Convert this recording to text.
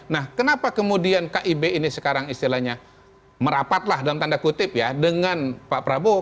nah kenapa kemudian kib ini sekarang istilahnya merapatlah dalam tanda kutip ya dengan pak prabowo